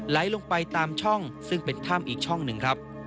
ไหลลงไปตามช่องซึ่งเป็นถ้ำอีกช่องหนึ่งครับ